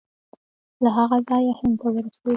له هغه ځایه هند ته ورسېد.